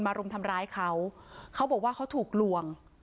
รุมทำร้ายเขาเขาบอกว่าเขาถูกลวง